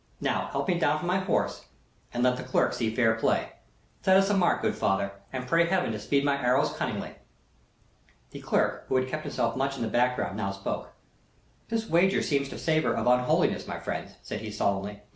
"Now help me down from my horse, and let the clerk see fair play. Set us a mark, good father, and pray Heaven to speed my arrows cunningly." The clerk, who had kept himself much in the background, now spoke. "This wager seems to savor of unholiness, friends," said he, solemnly.